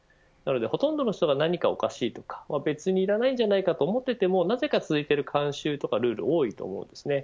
ほとんどの人が何かおかしいとか別にいらないんじゃないかと思っていてもなぜか続いている慣習やルールは多いと思います。